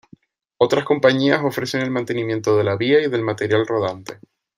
Otras compañías ofrecen el mantenimiento de la vía y del material rodante.